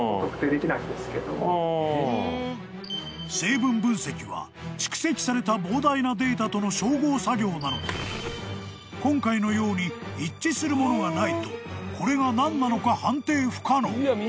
［成分分析は蓄積された膨大なデータとの照合作業なので今回のように一致するものがないとこれが何なのか判定不可能］